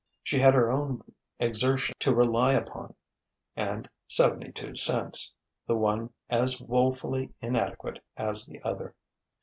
She had her own exertions to rely upon and seventy two cents: the one as woefully inadequate as the other.